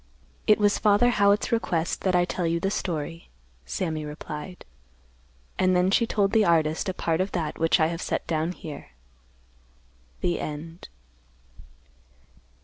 "It was Father Howitt's request that I tell you the story," Sammy replied. And then she told the artist a part of that which I have set down here. THE END.